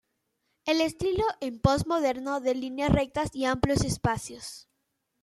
El estilo es post-moderno, de líneas rectas y amplios espacios.